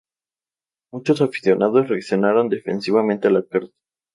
Muchos aficionados reaccionaron defensivamente a la carta.